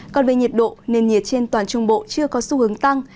còn về nhiệt độ nền nhiệt trên toàn trung bộ chưa có xu hướng tăng